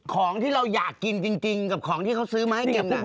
ของเราอยากกินจริงกับของที่เขาซื้อมาให้กิน